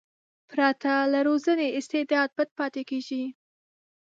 پرته له روزنې استعداد پټ پاتې کېږي.